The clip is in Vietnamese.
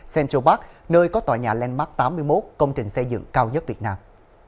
central park nơi có tòa nhà landmark tám mươi một công trình xây dựng cao nhất việt nam